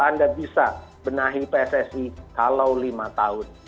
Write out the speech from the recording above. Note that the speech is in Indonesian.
anda bisa benahi pssi kalau lima tahun